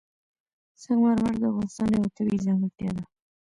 سنگ مرمر د افغانستان یوه طبیعي ځانګړتیا ده.